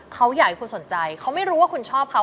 เขาอยากให้คุณสนใจเขาไม่รู้ว่าคุณชอบเขา